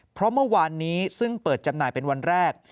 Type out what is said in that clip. เพราะเมื่อวานนี้ซึ่งเปิดจำหน่ายเป็นวันแรก